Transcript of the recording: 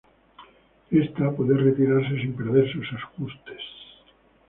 Ésta puede retirarse sin perder sus ajustes.